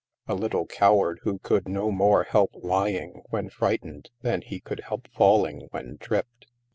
A little coward who could no more help lying when frightened than he could help falling when tripped.